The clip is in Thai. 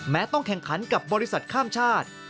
ต้องแข่งขันกับบริษัทข้ามชาติ